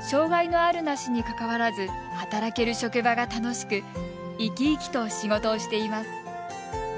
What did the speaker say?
障害のあるなしに関わらず働ける職場が楽しく生き生きと仕事をしています。